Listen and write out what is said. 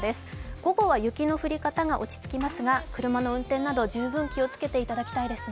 午後は雪の降り方は落ち着きますが車の運転など十分気をつけていただきたいですね。